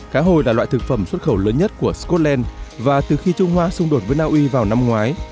cá hồi là loại thực phẩm xuất khẩu lớn nhất của scotland và từ khi trung hoa xung đột với naui vào năm ngoái